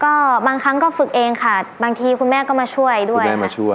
ก็บางครั้งก็ฝึกเองค่ะบางทีคุณแม่ก็มาช่วยด้วยมาช่วย